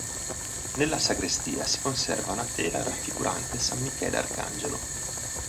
Nella sagrestia si conserva una tela raffigurante San Michele Arcangelo.